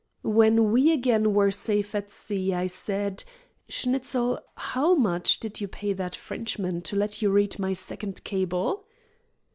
When we again were safe at sea, I said: "Schnitzel, how much did you pay that Frenchman to let you read my second cable?"